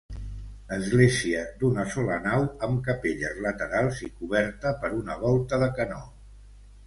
Església d'una sola nau amb capelles laterals i coberta per una volta de canó.